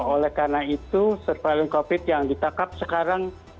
oleh karena itu surveillance covid yang ditangkap sekarang